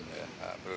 ada tim yang menyusun